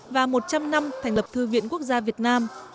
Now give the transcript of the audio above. và một trăm linh năm thành lập thư viện quốc gia việt nam